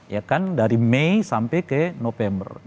ya kan dari mei sampai ke november